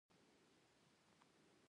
آیا چې څنګه یو پرمختللی هیواد جوړ کړي؟